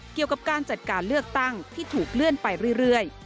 เกี่ยวกับการจัดการเลือกตั้งที่ถูกเลื่อนไปเรื่อย